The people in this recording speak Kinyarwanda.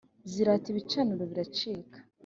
Zirata ibicaniro biracika